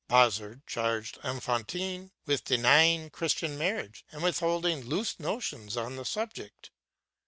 Bazard charged Enfantin with denying Christian marriage, and with holding loose notions on the subject.